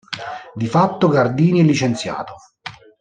Di fatto Gardini è "licenziato".